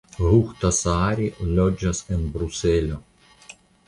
Huhtasaari loĝas en Bruselo.